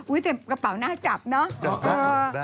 อุ้ยแต่กระเป๋าน่าจับเนอะ